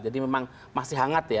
jadi memang masih hangat ya